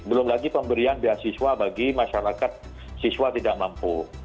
belum lagi pemberian beasiswa bagi masyarakat siswa tidak mampu